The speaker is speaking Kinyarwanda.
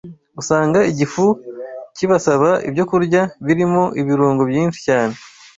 Usanga igifu kibasaba ibyokurya birimo ibirungo byinshi cyane